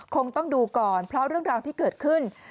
คงต้องดูก่อนเพราะเรื่องราวที่เกิดขึ้น